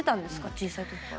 小さい時から。